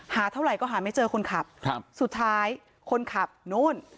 เท่าไหร่ก็หาไม่เจอคนขับครับสุดท้ายคนขับนู่น